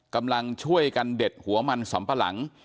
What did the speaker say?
กำลังช่วยกันเด็ดหัวมันสำปะหลัง